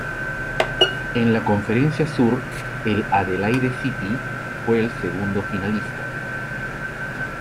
En la conferencia sur el Adelaide City fue el segundo finalista.